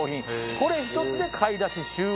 これ１つで買い出し終了と。